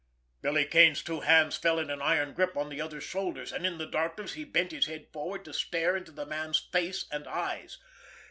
Billy Kane's two hands fell in an iron grip on the other's shoulders, and in the darkness he bent his head forward to stare into the man's face and eyes.